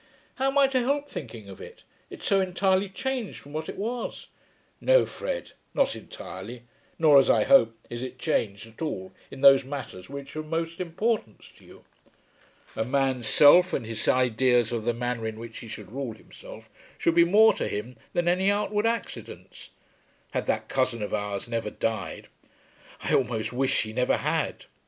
"How am I to help thinking of it? It is so entirely changed from what it was." "No Fred, not entirely; nor as I hope, is it changed at all in those matters which are of most importance to you. A man's self, and his ideas of the manner in which he should rule himself, should be more to him than any outward accidents. Had that cousin of ours never died " "I almost wish he never had."